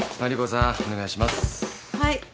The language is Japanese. はい。